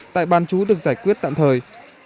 tại ban chú được giải quyết tạm thời